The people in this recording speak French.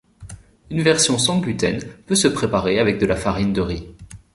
Une version sans gluten peut se préparer avec de la farine de riz.